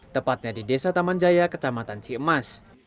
tepatnya di desa taman jaya kecamatan ciemas